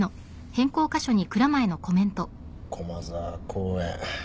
駒沢公園。